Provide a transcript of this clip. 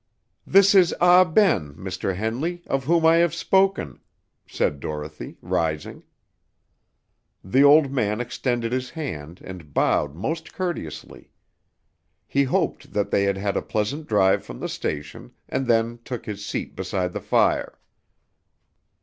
"This is Ah Ben, Mr. Henley, of whom I have spoken," said Dorothy, rising. The old man extended his hand and bowed most courteously. He hoped that they had had a pleasant drive from the station, and then took his seat beside the fire.